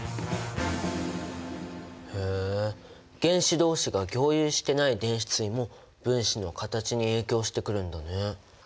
へえ原子同士が共有してない電子対も分子の形に影響してくるんだね。